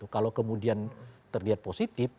kalau kemudian terlihat positif